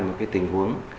một cái tình huống